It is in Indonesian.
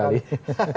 harga hidup kali